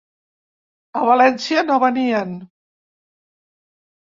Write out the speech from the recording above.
A València no venien.